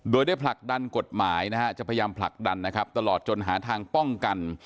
โดยได้ผลักดันกฎหมายเดินกับครับจะพยายามผลักดันตลอดจนหาทางป้องกัน